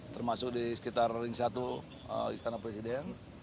termasuk di sekitar ring satu istana presiden